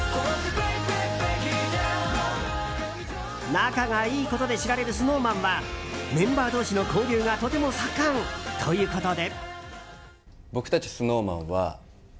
仲がいいことで知られるＳｎｏｗＭａｎはメンバー同士の交流がとても盛んということで。